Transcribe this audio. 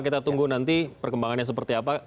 kita tunggu nanti perkembangannya seperti apa